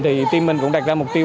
thì team mình cũng đặt ra mục tiêu